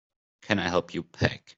Can I help you pack?